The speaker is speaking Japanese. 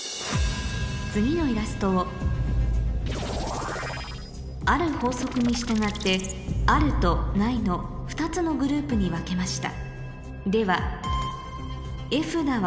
次のイラストをある法則に従って「ある」と「ない」の２つのグループに分けました